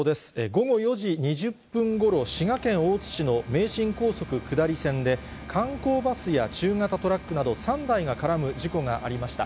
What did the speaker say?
午後４時２０分ごろ、滋賀県大津市の名神高速下り線で、観光バスや中型トラックなど３台が絡む事故がありました。